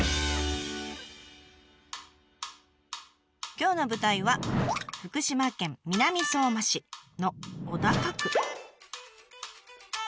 今日の舞台は福島県南相馬市の小高区。